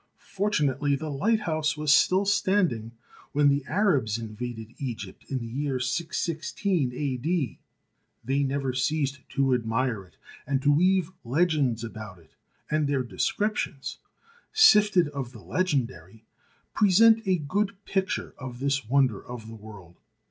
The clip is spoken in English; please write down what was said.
For tunately the lighthouse was still standing when the Arabs invaded Egypt in the year 616 A.D. They never ceased to admire it, and to weave legends about it, and their descriptions, sifted of the legendary, present a good picture of this wonder of the world.